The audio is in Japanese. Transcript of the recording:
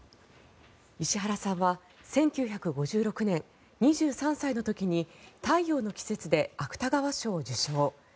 石原さんは１９５６年、２３歳の時に「太陽の季節」で芥川賞を受賞。